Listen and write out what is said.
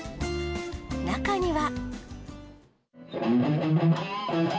中には。